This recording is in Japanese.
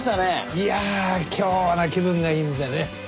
いやあ今日はね気分がいいんでね。